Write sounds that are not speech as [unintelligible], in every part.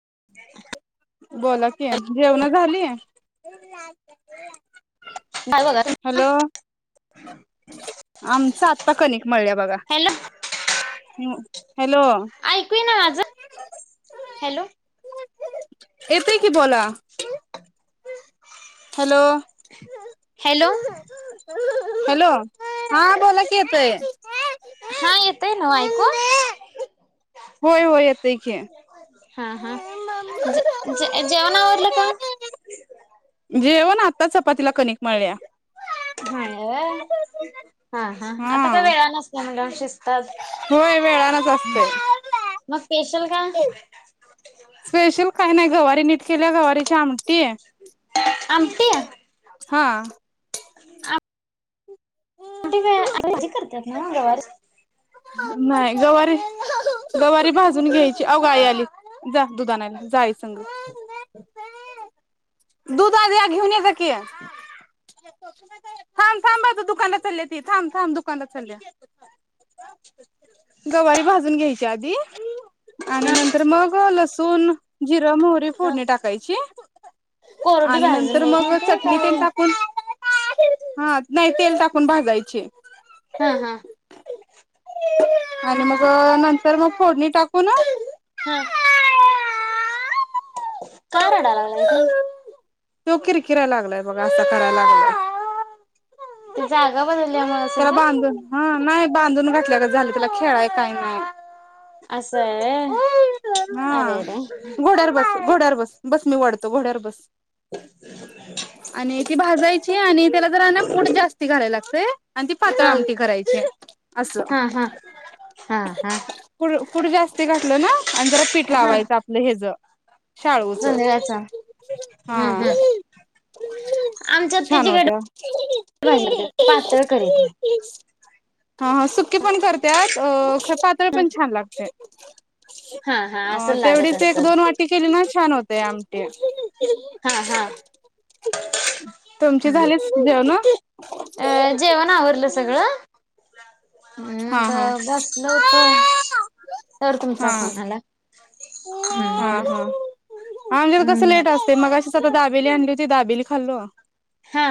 [inaudible] बोला की ये जेवण झाली. काय बघा हॅलो आमच आत्ता कनिक मळ्या बगा हॅलो ऐकू ना माझ हॅलो ये ते की बोला हॅलो हॅलो हॅलो हा बोला कि येतय. हा येतय ना ऐकून हो या त क हा हा जेवण आवरलं का जेवण आता चपातीला कणिक मळल्या हा हा हा आता काय वेळा नसत म शिस् होय वेळाानच असतय मग स्पेशल काय स्पेशल काही नाही गवारी नीट केल्या गवारीची आमट. आमतीया हा ह कुे काय आजी करतात मंगवार नाही गवारी गवारी भाजून घ्यायची अवघाई आली जा दुधनाला जाई संग दूधाज घेऊन याचा की थांब थांबझ दुकानात चाल ती थांब थांब दुकानात चालली रीकाम आहे गवारी भाजून घ्यायच्या आधी आणि नंतर मग लसण [unintelligible] जिरां मोहरी फोडणी टाकायची कोरडी आणि भाजून नंतर घ्यायची मग ते चटणी काय तेल टाकून हा नाही तेल टाकून भाजायचे हम् हम आणि मग नंतर मग फोडणी टाकू ना हा काय रडाय लागलाय का बघ असं करायला लागला ते जागा बदलल्यामुळे असेल का बांधून हा नाही बांधून घातल्या ग झाली तिला खेळाय काही नाही. असं आहे व्हय. हा अरे अरे घोडार बस घोड बस मी वढतो घोड्यावर बस आणि ती भाजायची आणि त्याला जरा ना पुढे जास्ती घालायला लागतय. आणि ती पातळ हा आमटी करायची अस हा हा हा हा. पुढ पुढ जास्ती घठलं ना आणि जरा पीठ हा लावायचं आपलं हज चालवच जोंधळ्याचा हम्म हम्म हा- आमच्यात छान त्याची हो त्या गडबड [inaudible] भाजी करतात पातळ करीत नाही. हा सुक्के पण करतत अ पातळ पण छान लागते हा हा अ असं लागत तेवढीच एक असल दोन वाटी केली ना छान होते आमटे हा हा तुमची झाली जेव ना अ जेवण आवरलं सगळं हा मग हा बसल होतो तर हा तुमचा फोनला हा हा आमच्या कस हम्म लेट असते मग आता दाबेली आणली होती दाबेली खालो हा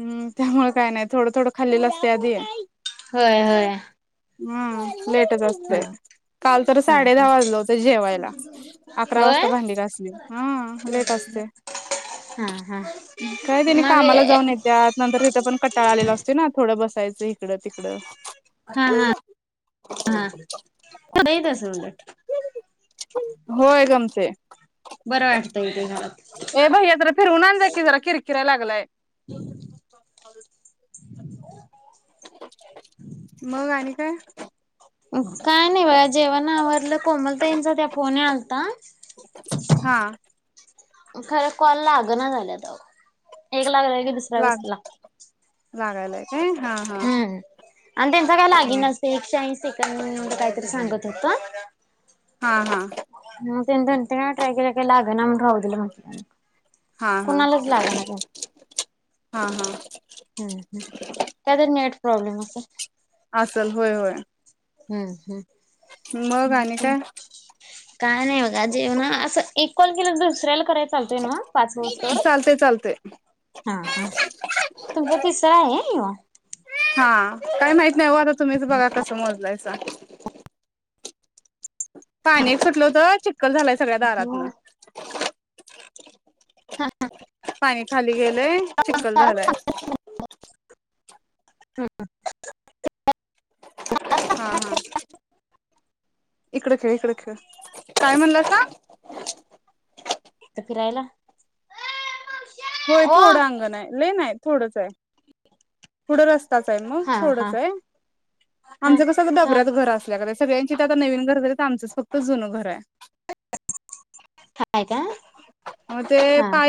हम् त्यामुळे काय नाही थोडं थोडं खालेल असते आधी आहे होय होय हम्म लेट जा अस हा असतते काल तर हा साडे हा. दहा वाजलं होतं जेवायला अकरा होय वाजता भांडी घासली हा लेट अस हा हा मग त्यानंतर तिथं पण कटाळा आलेला असतोय ना थोडं बसायचं इिकडं तिकडं हा हा. हा होतंय तसं उलट होय गमते. बरं वाटतंय ते घरात. ए भैय्या जरा फिरवून आन जा की जरा कीर किराय लागलाय. [unintelligible] मग आणि काय. काय नाही बया जेवण आवरलं कोमलताईचा त्या फोन आलता. हा खरं कॉल लाग ना झालंता एक लागलं की दुसऱ्या व्यस्त लागतो. जागालईक. हम्म आणि त्यांच काय हा लागेना त्याचा काय एकशे ऐंशी सेकंद काहीतरी सांगत. तेत. हा हा... मग ट्राय केला काय लाग ना राऊ दिलं म्हटलं हा हा कुणालाच लागना ते हा हा.... हम्म हम् का तर नेट प्रॉब्लेम असे. असल होय होय हम्म मग आणि हम्ण काय [unintelligible] काय नाही बघा जेवणा असं एक कॉल केलं दुसऱ्याला. कराय चालतय ना पाच ववर चालते चालते हा ह [unintelligible] तुमचा तिसरा आहे हा ह्यो काही माहित नाही हो आता तुम्हीच बघा कसं मोजलायचा पाणी सुटलं होत चिककल झालंय सगळ्या दारातन. मग पाणी खाली गेलंय चिककल झालंय. हम् ह इकड खेळ इकड खेळ काय म्हणलं का? फिरायला ये मावशे. होय थोडं अंगण आहे लेन आहे थोडंच आहे. पुढं रस्ताच आहे मग हा हा थोडंच आहे हा आमचं कस हा डबऱ्यात घर असल्या का सगळ्यां. तिथं आता नवीन घर झारी तर आमच फक्त जुनं घर आहे. हा हाय का मग ते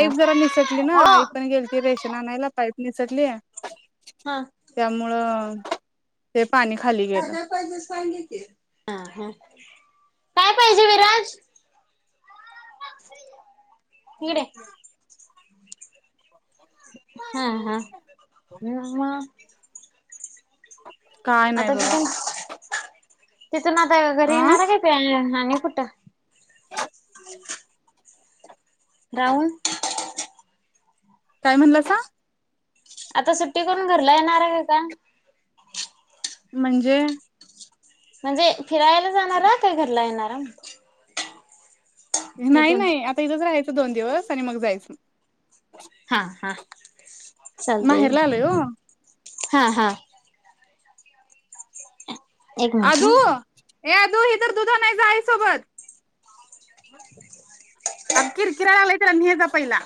हा जरा निसटली ना ओ आई पण गेली थी रेशन आणायला पाईप मिसकली हा त्यामुळं ते. पाणी खाली गेलं काय पाहिजे विराज? अ. इकडे हा हा मग काय नाही आता बघा. तिथून तिथून आता घरी येणार आहे. काय ते आणि कुठं? ह [unintelligible] राहुल. काय म्हणलंना? आता सुट्टी करून घरला येणार आहे का का? म्हणजे? म्हणजे फिरायला जाणारा? काय घरला येणार म. नाही नाही आता इथंच राहायचं दोन दिवस आणि मग जायचं. चालतंय माहेरला आलोय ओ हा हा, एक मिनिट हा. ये आदू हिधर दुध आणाय जा आई सोबत. आ गं किरकिरा लागलय त्याला न्हेजा पहिला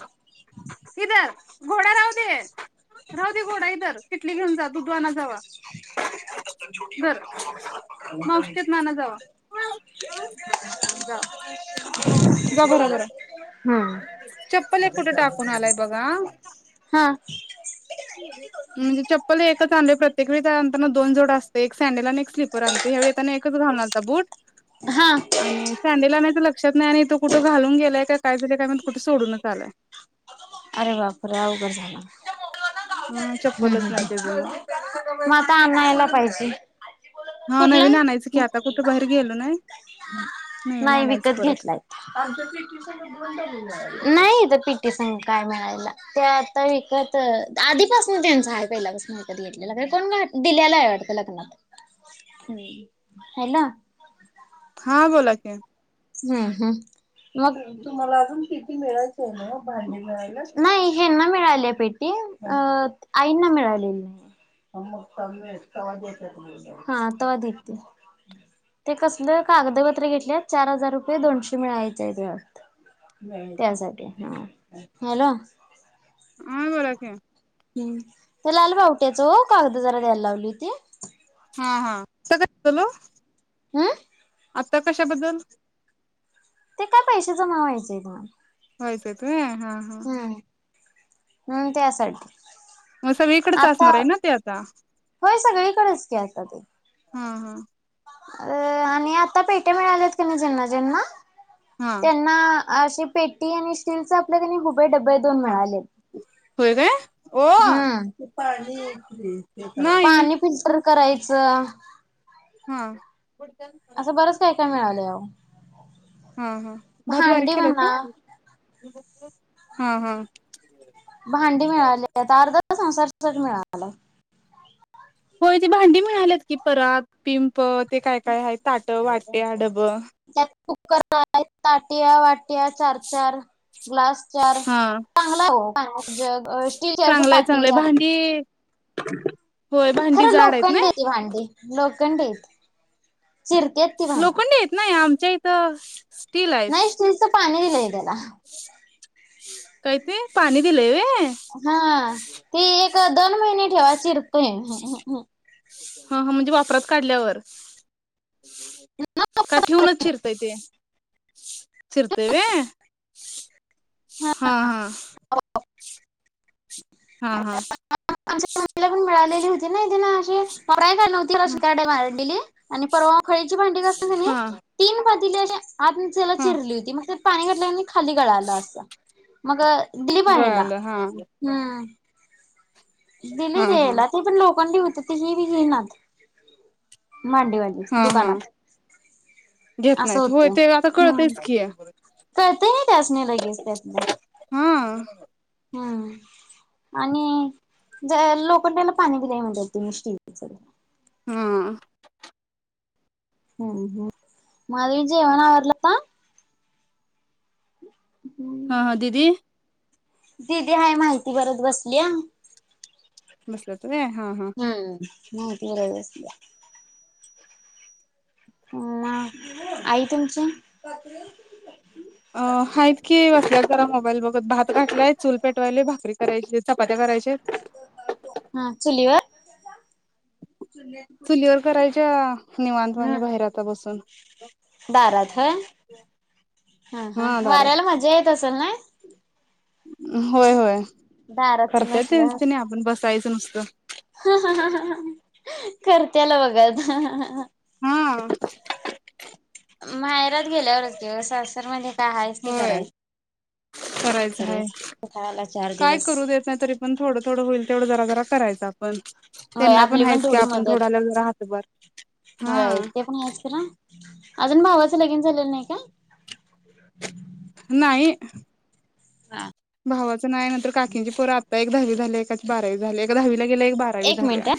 ही धर घोडा राहू दे. राहू दे घोडा इधर किटली घेऊन जा, दु दु आणा जावा धर. मावशीचा इथन आणा जावा, जावा जा भराभर, हम्म, कुठे टाकून आलाय बघा हा, अ.. चप्पल एकच आणलोय प्रत्येक वेळी त्यानंतर दोन जोड असते, एक सॅंडल आणि सिल्पर आणते यावेळी एकच घालू [unintelligible] बुट हा आणि सॅंडल आणायच, तर लक्षात नाही आणि तू कुठे घालून गेला, का काय झालं काय माहिती, कुठे सोडूनच आलाय. अरे बापरे, अवघड झाला. अ हुं, चप्पलच हुं, नाही त्याचं मग हु मग आता आणायला पाहिजे. हा कुठला? नवीन आणायचं की, आता कुठे बाहेर गेलो नाही. नवीन नाही आणायचं विकत परत घेतलाय, नाही इथं पीटी संग काय मिळायला. ते आता विकत आधीपासून त्यांचं आहे पहिल्या विकत घेतलेला कोण घातल कोण दिलेला वाटतं लग्नात, हम है ना, हा बोला की, हुं, हु मग तुम्हाला अजून पीटी मिळायचे ना, भांडी न्यायला नाही हेना मिळाले पेटी. आईंना मिळालेली. हा तवा देतील. ते कसलं कागदपत्र घेतले, चार हजार रुपये दोनशे मिळायचेत वाटत. त्यासाठी हा, हॅलो फरक आहे. ते लालबावटीच ओ, कागदपत्र द्यायला लावली होती. हा हा [unintelligible] हं, आता कशाबद्दल, ते काय पैशाचं जमा व्हायचे न्हव, व्हायचंत. व्हय हा हा, हम्म त्यासाठी, मग सगळीकडेच आता, असणार आहे ना ते आता होय सगळीकडच की आता ते, हा हा, आणि आता पेट्या मिळाल्यात कणी ज्यांना ज्यांना हा त्यांना, अशी पेटी आणि स्टीलचा आपली कणी उभे डबे दोन मिळालेत. ये उठ, ह, नाही पाणी फिल्टर करायचं, ह, असं बरच काय काय मिळालय अहो, हा हा भात बारीक भांडी केलायसा, म्हणा हा हा भांडी मिळालेत आर्ध संसार सेट मिळालाय. होय ते भांडी मिळालेत की परा‌त, पिंप ते काय काय आहेत ताट, वाट्या, डबं त्यात कुकर आहेत. ताटिया, वाटिया चार चार ग्लास चार. हा चांगल आहे, हो पाण्याचा जग स्टीलच्या असे चांगलंय चांगलंय पातिली. भांडी होय, भांडी जाड हायत नी. लोखंडी ती भांडी लोखंडी हायत. लोखंड येत नाही आमच्या इथं ती, लाईफ नाही शिंच पाणी दिलंय त्याला काय ते पाणी दिलंय, व्हय हा ती एक दोन महिने ठेवा चिरतोय हा हा म्हणजे वापरात काढल्यावर ठेवूनच चिरता ते चिरते व्हय हा हा हा हा आमच्या मम्मीला पण मिळालेली होती ना इथं अशी य नवती हा रडे मारंडीली आणि परवा खळीची भांसते हा ती पण ली आत त्याला हा चिरली होती मग पाणी घातल्या नी खाली गळाल असं मग दिली मग येला गळालं हा हम्म हा दिलीच हा द्यायला ते पण लोकांनी होते ते हे बी घेय‌नात मांडी वाली हा हा दुकानात घेत नाहीत होय ते आता कळतेच की करते ना त्यासण्या लगेच त्यातलं हा हम्म आणि जे लोखंडाले पाणी पिलाय म्हणतात तेही स्टीलच हम हम्म हम्माधवी जेवण आवरलं का हा हा दीदी दीदी हाय माहिती परत बसलीया बसला त व्हय हा हा हम्म माहिती भराय बसल्या आई तुमची अ आहेत की असल्या जरा मोबाईल बघत भात घातलाय चुल पेटवायला भाकरी करायची चपात्या करायच्या हा चुलीवर चुलीवर करायच्या निवांत हा वाणी बाहेर आता बसुन. दारात ह हा हा वाऱ्याला मजा येत असेल नाही होय होय चूल करत त्यांच ते आपण बसायचं नुसतं ह करत्याल बघा हा माहेरात गेल्यावरच जेव्हा व सासर मध्ये काय आहेयच ते करायचं करायच आहे रोज उठायला चार काय दिवस करू देत नाही तरी पण थोडं थोडं होईल तेवढं जरा जरा करायचं. पण होय त्यांना पण आपली आहेच की आपण थोडाला राहतो बर ह इथ ते पण आहेच खरं अजुन भावाचं लगीन झालेलं नाही का नाही हा भावाचं नाही नंतर काकींची पोरा आता एक दहावी झाली एकाची बारावी झाली एक दहावी गे एक बारावी मिनिट झाल्या हा.